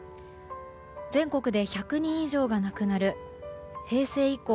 全国で１００人以上が亡くなる平成以降